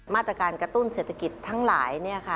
มาตรการกระตุ้นเศรษฐกิจทั้งหลาย